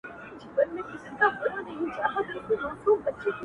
وخت چي له هر درد او له هر پرهاره مچه اخلي!